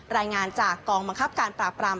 รายงานจากกองบังคับการปราบราม